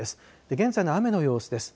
現在の雨の様子です。